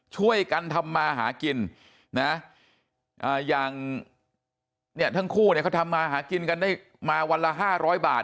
ช่วยกันทำมาหากินนะอย่างเนี่ยทั้งคู่เนี่ยเขาทำมาหากินกันได้มาวันละ๕๐๐บาท